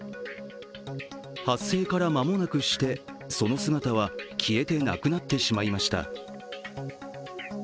発生から間もなくしてその姿は消えてなくなってしまいました。